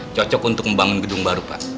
cocok untuk membangun gedung baru pak